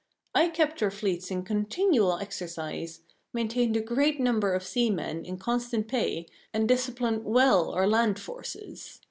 I kept our fleets in continual exercise, maintained a great number of seamen in constant pay, and disciplined well our land forces.